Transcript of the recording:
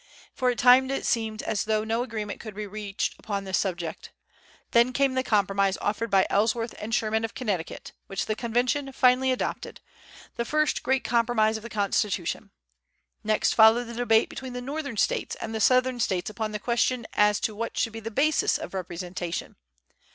For a time it seemed as though no agreement could be reached upon this subject. Then came the compromise offered by Ellsworth and Sherman, of Connecticut, which the Convention finally adopted the first great compromise of the Constitution. Next followed the debate between the Northern States and the Southern States upon the question as to what should be the basis of representation.